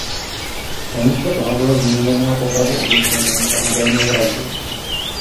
Namísto toho byl změněn na popravu oběšením za údajnou vraždu.